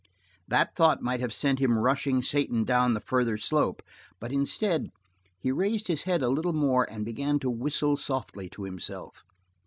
That thought might have sent him rushing Satan down the farther slope, but instead, he raised his head a little more and began to whistle softly to himself.